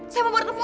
saya mau bertemu